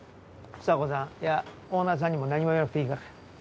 房子さんいやオーナーさんにも何も言わなくていいから。